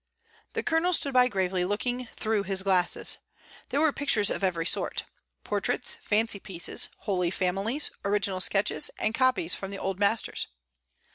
The Colonel stood by gravely looking through his glasses. There were pictures of every sort — portraits, fancy pieces. Holy Families, original sketches, and copies from the old masters.